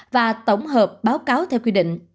và tổng hợp báo cáo theo quy định